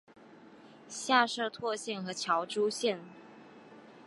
下设柘县和乔珠县。